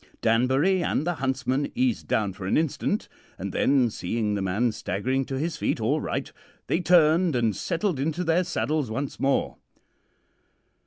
Danbury and the huntsman eased down for an instant; and then, seeing the man staggering to his feet all right, they turned and settled into their saddles once more.